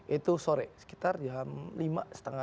itu sore sekitar jam lima lima